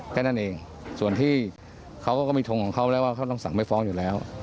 แค่นั้นเองส่วนที่เขาก็มีทงของเขาแล้วว่าเขาต้องสั่งไม่ฟ้องอยู่แล้ว